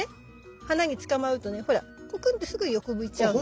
花につかまるとねほらコクンってすぐ横向いちゃうの。